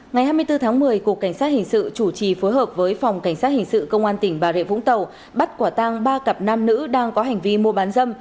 ngày hai mươi bốn tháng một mươi cục cảnh sát hình sự chủ trì phối hợp với phòng cảnh sát hình sự công an tỉnh bà rịa vũng tàu bắt quả tang ba cặp nam nữ đang có hành vi mua bán dâm